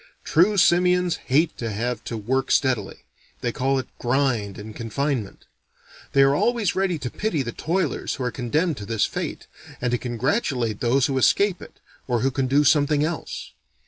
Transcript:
True simians hate to have to work steadily: they call it grind and confinement. They are always ready to pity the toilers who are condemned to this fate, and to congratulate those who escape it, or who can do something else.